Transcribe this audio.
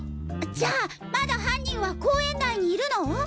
じゃあまだ犯人は公園内にいるの？